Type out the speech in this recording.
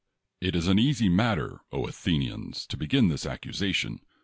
It is an easy matter, Athenians, to begin this accusation.